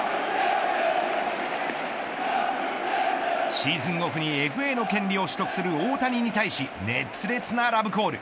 シーズンオフにＦＡの権利を取得する大谷に対し熱烈なラブコール。